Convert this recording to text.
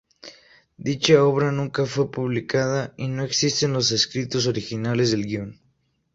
Dicha obra nunca fue publicada y no existen los escritos originales del guion.